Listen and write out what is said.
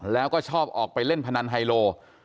แล้วก็ชอบออกไปเล่นพนันไฮโล